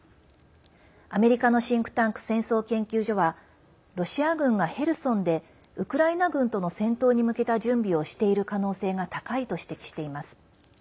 アメリカのシンクタンク戦争研究所はロシア軍がヘルソンでウクライナ軍との戦闘に向けた準備をしている可能性が高いと指摘しています。